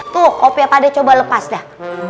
tuh kopi apa deh coba lepas dah